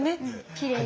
きれい。